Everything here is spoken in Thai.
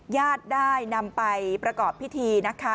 ญาติได้นำไปประกอบพิธีนะคะ